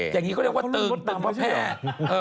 อย่างนี้เขาเรียกว่าตึง